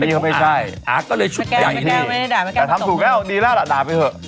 ยังไม่ใช่อ่าก็เลยชุดใหญ่แต่ทำถูกแล้วดีแล้วล่ะด่าไปเถอะ